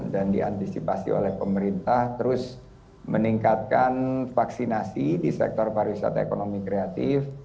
dan diantisipasi oleh pemerintah terus meningkatkan vaksinasi di sektor pariwisata ekonomi kreatif